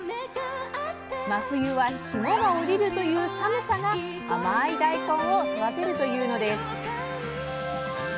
真冬は霜が降りるという寒さが甘い大根を育てるというのです。